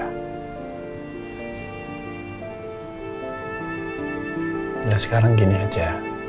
udah sekarang gini aja